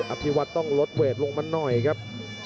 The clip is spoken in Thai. อภิวัตรต้องลดเวทลงมาหน่อยครับ